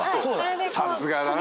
さすがだな！